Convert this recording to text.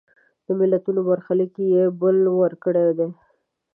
د ملتونو برخلیک یې بل وړ کړی دی.